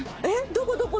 どこどこ？